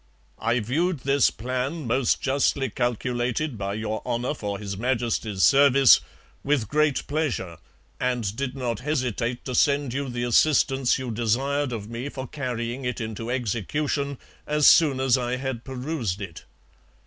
I viewed this plan most justly calculated by Your Honour for His Majesty's Service with great pleasure and did not hesitate to send you the assistance you desir'd of me for carrying it into execution, as soon as I had perused it.